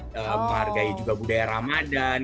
menghargai juga budaya ramadhan